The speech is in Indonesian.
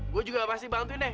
gue juga pasti bantuin deh